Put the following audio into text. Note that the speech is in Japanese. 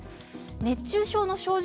熱中症の症状